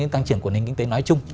tăng trưởng của nền kinh tế nói chung